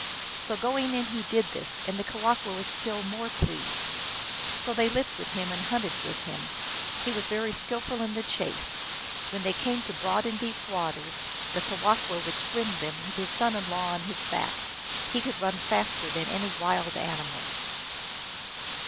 So going in he did this, and the Kewahqu was still more pleased. So they lived with him, and hunted with him. He was very skillful in the chase. When they came to broad and deep waters the Kewahqu would swim them with his son in law on his back. He could run faster than any wild an imal.